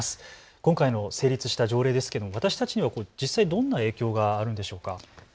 今回、成立した条例ですが私たちには実際、どんな影響があるんでしょうか。